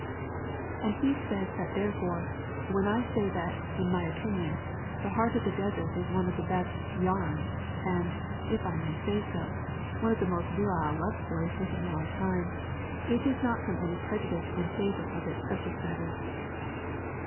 And he says that therefore "when I say that, in my opinion, The Heart of the Desert is one of the best 'yarns,' and, if I may say so, one of the most virile love stories written in our time, it is not from any prejudice in favor of its subject matter."